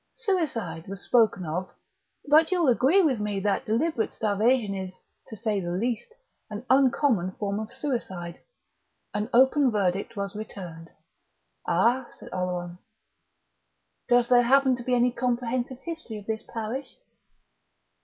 Suicide was spoken of, but you'll agree with me that deliberate starvation is, to say the least, an uncommon form of suicide. An open verdict was returned." "Ah!" said Oleron.... "Does there happen to be any comprehensive history of this parish?"